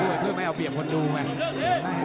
นี่คือยอดมวยแท้รักที่ตรงนี้ครับ